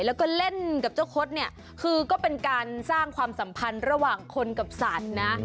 แล้วก็เล่นกับเจ้าคดเนี่ยคือก็เป็นการสร้างความสัมพันธ์ระหว่างคนกับสัตว์นะ